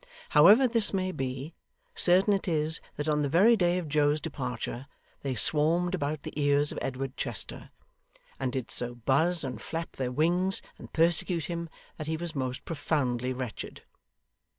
However this may be, certain it is that on the very day of Joe's departure they swarmed about the ears of Edward Chester, and did so buzz and flap their wings, and persecute him, that he was most profoundly wretched.